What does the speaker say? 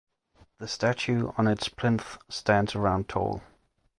The statue on its plinth stands around tall.